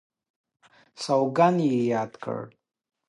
سوګند یې یاد کړ.